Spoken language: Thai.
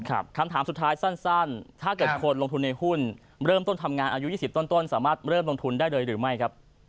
คำถามสุดท้ายสั้นถ้าเกิดคนลงทุนในหุ้นเริ่มต้นทำงานอายุ๒๐ต้นสามารถเริ่มลงทุนได้เลยหรือไม่ครับ